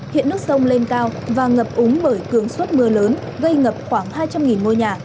hiện nước sông lên cao và ngập úng bởi cường suất mưa lớn gây ngập khoảng hai trăm linh ngôi nhà